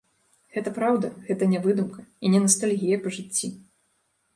Гэта праўда, гэта не выдумка, і не настальгія па жыцці.